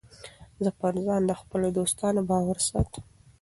زه پر ځان د خپلو دوستانو باور ساتم.